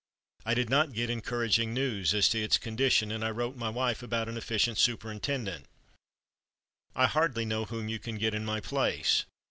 I did not get encouraging news as to its condition, and I wrote my wife about an efficient superintendent: "I hardly know whom you can get in my place.